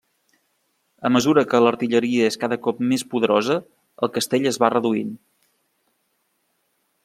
A mesura que l'artilleria és cada cop més poderosa el castell es va reduint.